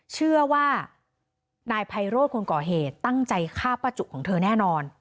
เชื่อว่านายไพโรธคนก่อเหตุตั้งใจฆ่าป้าจุของเธอแน่นอน